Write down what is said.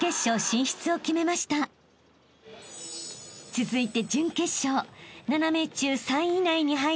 ［続いて］